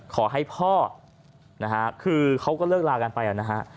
ขอให้พ่อนะฮะคือเขาก็เลิกลากันไปนะฮะ